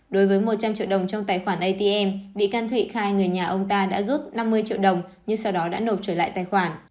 đối với một trăm linh triệu đồng trong tài khoản atm bị can thụy khai người nhà ông ta đã rút năm mươi triệu đồng nhưng sau đó đã nộp trở lại tài khoản